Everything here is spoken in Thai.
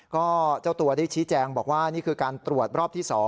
ก็เจ้าตัวได้ชี้แจงบอกว่านี่คือการตรวจรอบที่๒